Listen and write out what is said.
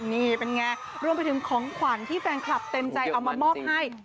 นี่เป็นไงรวมไปถึงของขวัญที่แฟนคลับเต็มใจเอามามอบให้